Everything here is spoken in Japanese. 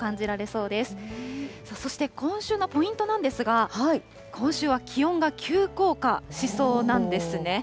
そして今週のポイントなんですが、今週は気温が急降下しそうなんですね。